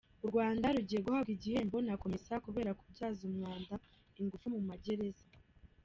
U Rwanda rugiye guhabwa igihembo na komesa kubera kubyaza umwanda ingufu mu magereza